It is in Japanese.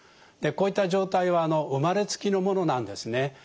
こういった状態は生まれつきのものなんですね。